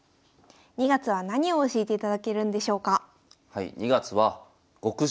２月は何を教えていただけるんでしょうか？